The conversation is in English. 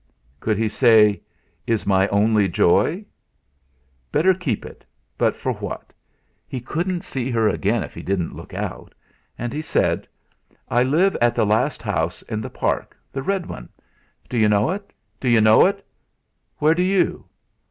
Could he say: "Is my only joy"? Better keep it! But for what? He wouldn't see her again if he didn't look out! And he said: "I live at the last house in the park the red one. D'you know it? Where do you?"